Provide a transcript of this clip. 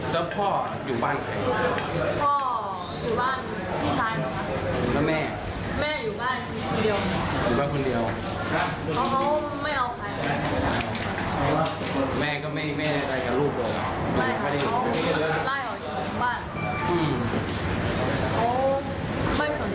ตอนนี้แล้วเขาหย่าในโลกตรงนั้นล่ะค่ะหย่าค่ะค่าสูงค่าสูง